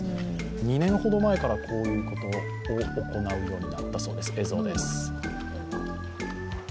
２年ほど前からこういうことを行うようになったそうです。